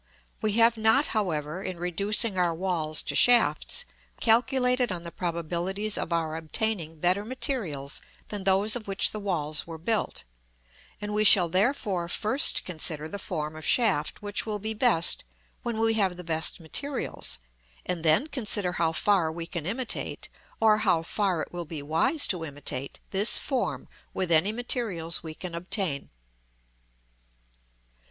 We have not, however, in reducing our walls to shafts, calculated on the probabilities of our obtaining better materials than those of which the walls were built; and we shall therefore first consider the form of shaft which will be best when we have the best materials; and then consider how far we can imitate, or how far it will be wise to imitate, this form with any materials we can obtain.